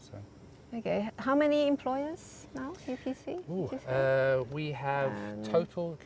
kita memiliki total